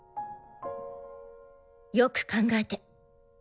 よく考えて。